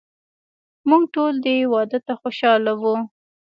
موږ ټول دې واده ته خوشحاله وو.